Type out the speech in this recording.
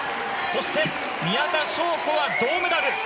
そして宮田笙子は銅メダル。